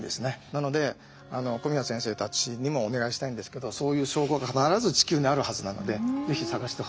なので小宮先生たちにもお願いしたいんですけどそういう証拠が必ず地球にあるはずなので是非探してほしいと思います。